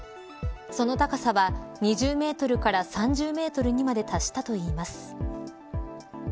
その高さは２０メートルから３０メートルにまで達したといいます。